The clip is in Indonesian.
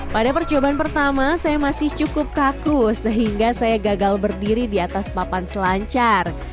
pada percobaan pertama saya masih cukup kaku sehingga saya gagal berdiri di atas papan selancar